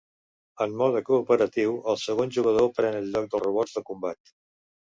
En mode cooperatiu, el segon jugador pren el lloc dels robots de combat.